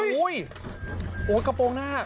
โอ้โหกระโปรงหน้า